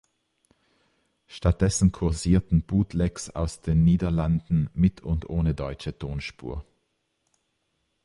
Stattdessen kursierten Bootlegs aus den Niederlanden mit und ohne deutsche Tonspur.